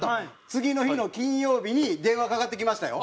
次の日の金曜日に電話かかってきましたよ。